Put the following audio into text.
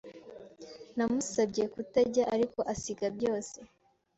Namusabye kutajya, ariko asiga byose.